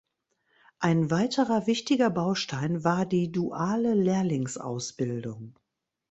Ein weiterer wichtiger Baustein war die duale Lehrlingsausbildung.